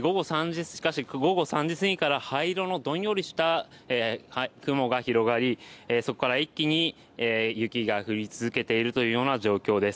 午後３時過ぎから灰色のどんよりした雲が広がりそこから一気に雪が降り続けている状況です。